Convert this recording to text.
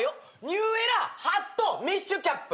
ニューエラハットメッシュキャップ。